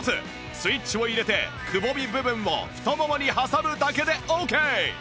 スイッチを入れてくぼみ部分を太ももに挟むだけでオーケー